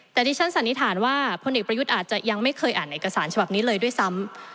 แต่ดิฉันสันนิษฐานว่าพลเอกประยุทธ์อาจจะยังไม่เคยอ่านเอกสารฉบับนี้เลยด้วยซ้ำ